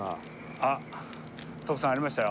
あっ徳さんありましたよ。